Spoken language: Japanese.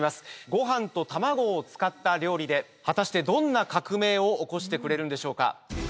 ご飯と卵を使った料理で果たしてどんな革命を起こしてくれるんでしょうか